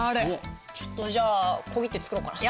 ちょっとじゃあ小切手作ろうかな。